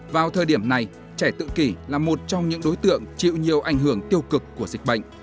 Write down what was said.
vào thời điểm này trẻ tự kỷ là một trong những đối tượng chịu nhiều ảnh hưởng tiêu cực của dịch bệnh